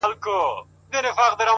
زه چي په بې سېکه گوتو څه وپېيم _